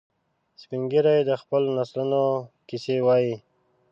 سپین ږیری د خپلو نسلونو کیسې وایي